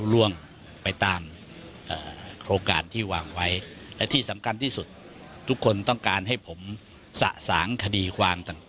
ล่วงไปตามโครงการที่วางไว้และที่สำคัญที่สุดทุกคนต้องการให้ผมสะสางคดีความต่าง